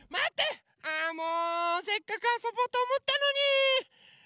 あもうせっかくあそぼうとおもったのに。